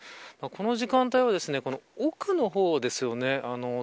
この時間帯は奥の方ですよね。